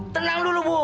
tenang dulu bu